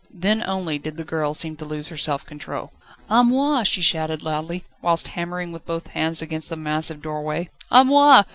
Then only did the girl seem to lose her self control. "A moi," she shouted loudly, whilst hammering with both hands against the massive doorway. "A moi!